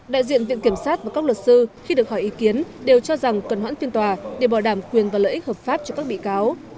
đại diện viện kiểm sát và các luật sư khi được hỏi ý kiến đều cho rằng cần hoãn phiên tòa để bỏ đảm quyền và lợi ích hợp pháp cho các bị cáo